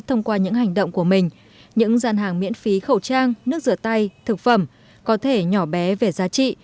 sản hàng miễn phí khẩu trang nước rửa tay thực phẩm có thể nhỏ bé về giá trị